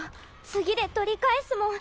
次で取り返すもん！